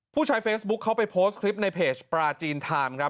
ผู้ใช้เฟซบุ๊คเขาไปโพสต์คลิปในเพจปราจีนไทม์ครับ